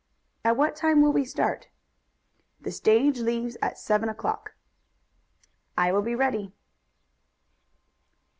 "At what time will we start?" "The stage leaves at seven o'clock." "I will be ready."